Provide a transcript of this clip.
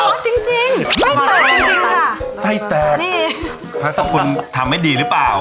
ใส่ผักจริงใส่แตกจริงค่ะใส่แตกนี่ค่ะถ้าคุณทำไม่ดีรึเปล่า